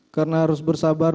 karena harus bersabar